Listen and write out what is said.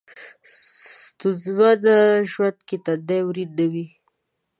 ستونځمن ژوند کې تندی ورین نه وي.